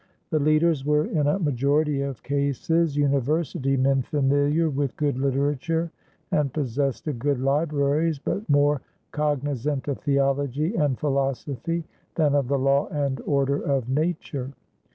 The leaders were, in a majority of cases, university men familiar with good literature and possessed of good libraries, but more cognizant of theology and philosophy than of the law and order of nature.